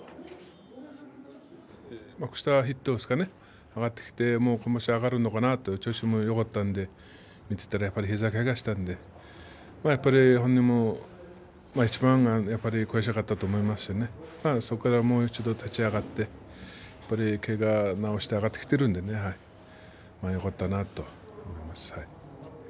幕下筆頭ですかね上がってきて今場所上がるのかなと調子もよかったので見ていたら膝をけがしたのでやっぱり本人もいちばん悔しかったと思いますしそこからもう一度立ち上がってけがを治して上がってきているのでよかったなと思います。